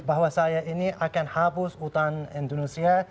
bahwa saya ini akan hapus hutan indonesia